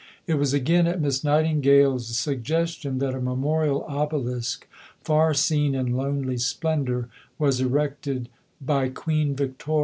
It was again at Miss Nightingale's suggestion that a memorial obelisk, far seen in lonely splendour, was erected "by Queen Victoria and her people."